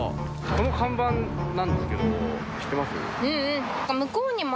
この看板なんですけど知ってます？